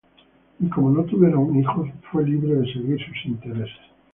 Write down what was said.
Y, como no tuvieron hijos, fue libre de seguir sus intereses.